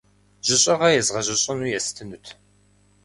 Жьыщӏыгъэ езгъэжьыщӏыну естынут.